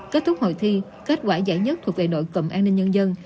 kết thúc hội thi kết quả giải nhất thuộc về đội cầm an ninh nhân dân